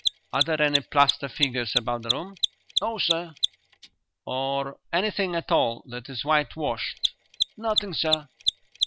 "Are there any plaster figures about the room?" "No, sir." "Or anything at all that is whitewashed?" "Nothing, sir."